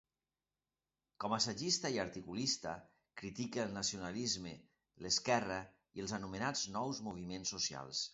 Com a assagista i articulista, critica el nacionalisme, l'esquerra i els anomenats nous moviments socials.